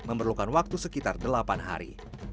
memerlukan waktu sekitar delapan hari